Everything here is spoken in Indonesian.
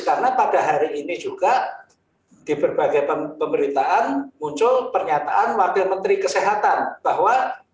karena pada hari ini juga di berbagai pemerintahan muncul pernyataan wakil menteri kesehatan bahwa